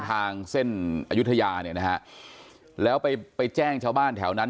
ทางเส้นอายุทยาเนี่ยนะฮะแล้วไปไปแจ้งชาวบ้านแถวนั้น